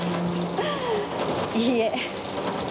いいえ。